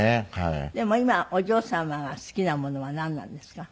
でも今お嬢様が好きなものはなんなんですか？